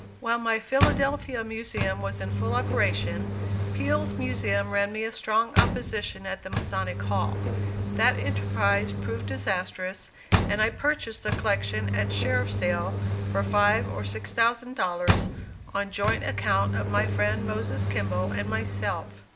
While my Philadelphia Museum was in full operation, Peale's Museum ran me a strong opposition at the Masonic Hall. That enterprise proved disastrous, and I purchased the collection at sheriff's sale, for five or six thousand dollars, on joint account of my friend Moses Kimball and myself.